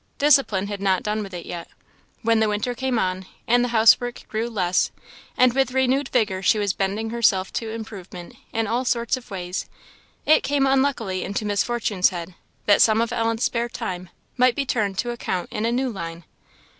Discipline had not done with it yet. When the winter came on, and the house work grew less, and with renewed vigour she was bending herself to improvement in all sorts of ways, it unluckily came into Miss Fortune's head, that some of Ellen's spare time might be turned to account in a new line.